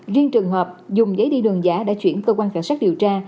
riêng trường hợp dùng giấy đi đường giả đã chuyển cơ quan cảnh sát điều tra